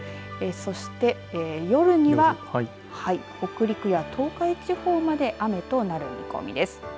そして、夜には北陸や東海地方まで雨となる見込みです。